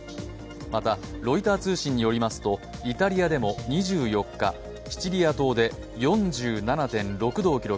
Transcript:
またロイター通信によりますとイタリアでも２４日、シチリア島で４７．６度を記録。